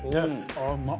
ああうまっ！